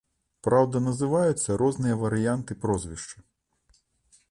Праўда, называюцца розныя варыянты прозвішча.